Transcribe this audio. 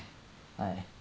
はい。